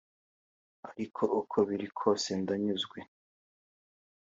ariko uko biri kose ndanyuzwe